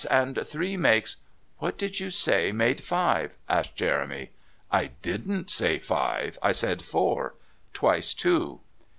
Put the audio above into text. And three makes " "What did you say made five?" asked Jeremy. "I didn't say five. I said four. Twice two."